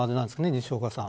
西岡さん。